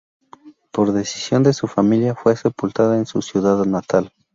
Y por decisión de su familia, fue sepultada en su ciudad natal.